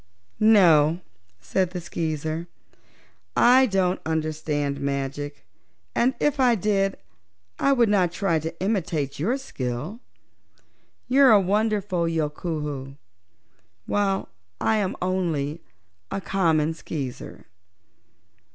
"No," said the Skeezer, "I don't understand magic and if I did I would not try to imitate your skill. You are a wonderful Yookoohoo, while I am only a common Skeezer."